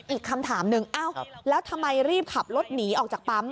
อีกคำถามหนึ่งอ้าวแล้วทำไมรีบขับรถหนีออกจากปั๊ม